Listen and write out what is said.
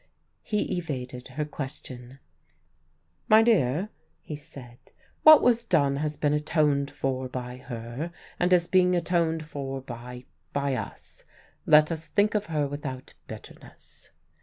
He evaded her question. "My dear," he said, "what was done has been atoned for by her, and is being atoned for by by us. Let us think of her without bitterness."